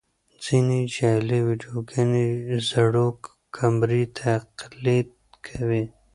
ځینې جعلي ویډیوګانې زړو کمرې تقلید کوي.